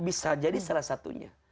bisa jadi salah satunya